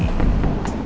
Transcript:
terima kasih bu